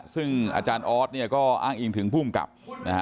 ซึ่งอาจารย์ออสเนี่ยก็อ้างอิงถึงภูมิกับนะฮะ